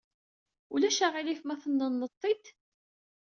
Ulac aɣilif ma tennened-t-id?